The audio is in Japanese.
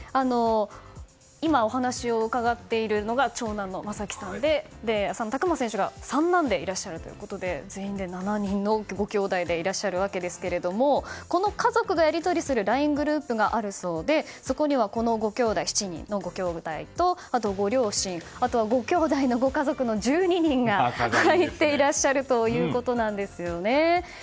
今お話を伺っているのが長男の将輝さんで浅野拓磨選手が三男でいらっしゃるということで全員で７人のごきょうだいでいらっしゃるわけですがこの家族がやり取りするＬＩＮＥグループがあるそうでそこには７人のごきょうだいとご両親ごきょうだいのご家族の１２人が入っていらっしゃるということなんです。